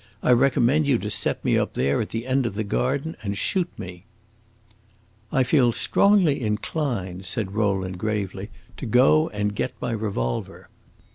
I recommend you to set me up there at the end of the garden and shoot me." "I feel strongly inclined," said Rowland gravely, "to go and get my revolver."